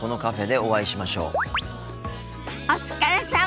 お疲れさま。